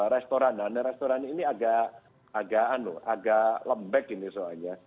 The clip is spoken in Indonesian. restoran ini agak lembek ini soalnya